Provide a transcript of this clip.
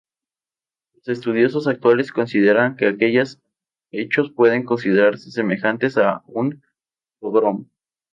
Los estudiosos actuales consideran que aquellos hechos pueden considerarse semejantes a un "pogrom".